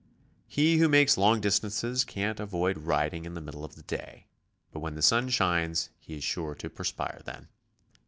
He who makes long distances can't avoid riding in the middle of the day, but when the sun shines, he is sure to perspire then.